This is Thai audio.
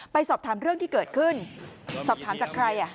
ไปสอบถามเรื่องที่เกิดขึ้นสอบถามจากใคร